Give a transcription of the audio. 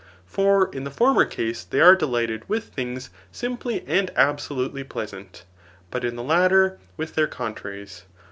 For, in the former case, they are delighted with things simply and absolutely pleasant ; hut in the latter, with their contraries.